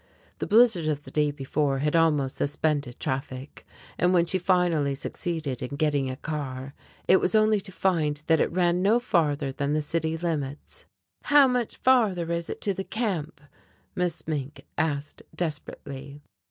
The blizzard of the day before had almost suspended traffic, and when she finally succeeded in getting a car, it was only to find that it ran no farther than the city limits. "How much farther is it to the Camp?" Miss Mink asked desperately.